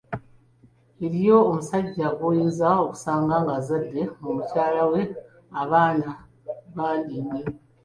Eriyo omusajja gw’oyinza okusanga ng’azadde mu mukyala we abaana abangi ennyo.